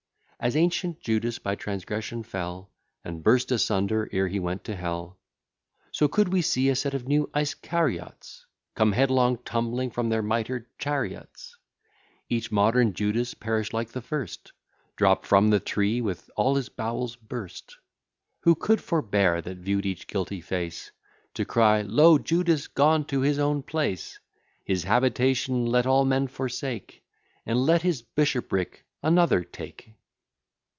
As ancient Judas by transgression fell, And burst asunder ere he went to hell; So could we see a set of new Iscariots Come headlong tumbling from their mitred chariots; Each modern Judas perish like the first, Drop from the tree with all his bowels burst; Who could forbear, that view'd each guilty face, To cry, "Lo! Judas gone to his own place, His habitation let all men forsake, And let his bishopric another take!"